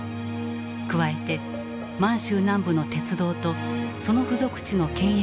加えて満州南部の鉄道とその付属地の権益を得た。